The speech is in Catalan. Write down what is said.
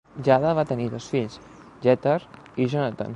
Jada va tenir dos fills, Jether i Jonathan.